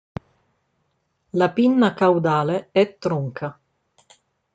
La pinna caudale è tronca.